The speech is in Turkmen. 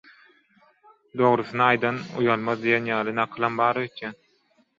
«Dogrusyny aýdan uýalmaz» diýen ýaly nakylam bar öýdýän.